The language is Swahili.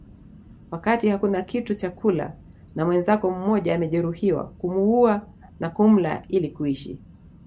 Wakati hakuna kitu cha kula na mwenzako mmoja amejeruhiwa kumuua na kumla ili kuishi